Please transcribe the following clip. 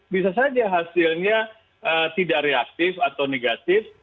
bisa saja hasilnya tidak reaktif atau negatif